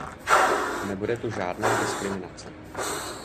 Nebude tu žádná diskriminace.